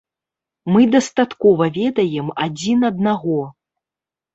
Мы дастаткова ведаем адзін аднаго.